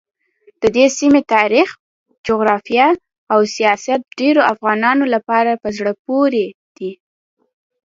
ددې سیمې تاریخ، جغرافیه او سیاست ډېرو افغانانو لپاره په زړه پورې دي.